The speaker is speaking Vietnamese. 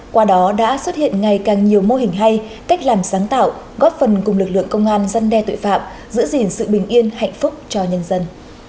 qua đó đã xuất hiện ngày càng nhiều mô hình hay cách làm sáng tạo góp phần cùng lực lượng công an dân đe tội phạm giữ gìn sự bình yên hạnh phúc cho nhân dân